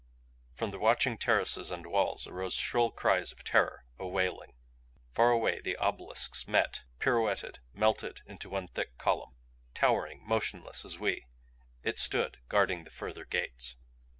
From the watching terraces and walls arose shrill cries of terror, a wailing. Far away the obelisks met, pirouetted, melted into one thick column. Towering, motionless as we, it stood, guarding the further gates.